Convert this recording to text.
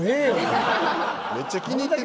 めっちゃ気に入ってるやん。